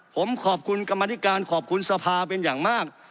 ผมขอบคุณกรรมธิการขอบคุณสภาเป็นอย่างมาก